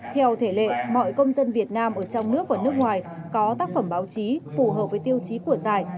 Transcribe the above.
theo thể lệ mọi công dân việt nam ở trong nước và nước ngoài có tác phẩm báo chí phù hợp với tiêu chí của giải